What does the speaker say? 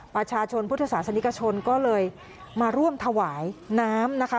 ประชาชนพุทธศาสนิกชนก็เลยมาร่วมถวายน้ำนะคะ